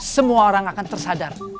semua orang akan tersadar